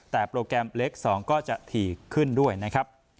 แต่โปรแกรมเล็ก๒ก็จะถี่ขึ้นด้วยนะครับ